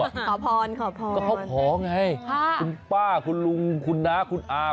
ขอพรขอพรก็เขาขอไงคุณป้าคุณลุงคุณน้าคุณอา